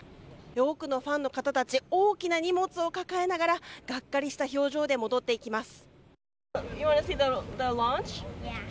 多くのファンの方たち大きな荷物を抱えながらがっかりした表情で戻っていきます。